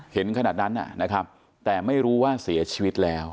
ขนาดนั้นนะครับแต่ไม่รู้ว่าเสียชีวิตแล้ว